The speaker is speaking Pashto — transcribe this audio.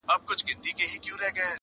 • تشول چي مي خُمونه هغه نه یم -